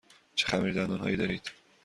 چه خمیردندان هایی دارید؟